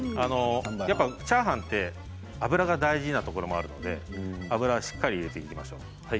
チャーハンは油が大事なところもあって油はしっかり入れていきましょう。